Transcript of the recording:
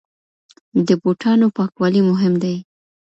د بوټانو پاکوالی مهم دی.